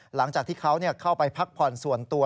หลังจากที่เขาเข้าไปพักผ่อนส่วนตัว